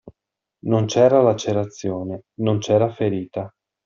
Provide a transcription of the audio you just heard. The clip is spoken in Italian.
Non c'era lacerazione, non c'era ferita.